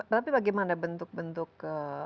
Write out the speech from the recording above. tapi bagaimana bentuk bentuk